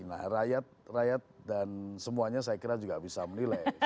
nah rakyat rakyat dan semuanya saya kira juga bisa menilai